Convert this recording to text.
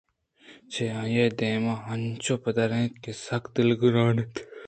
چہ آئی ءِ دیم ءَ انچو پدّر اَت کہ سک دلگرٛان اِنت